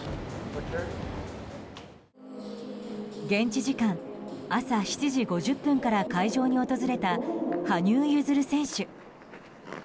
現地時間朝７時５０分から会場に訪れた羽生結弦選手。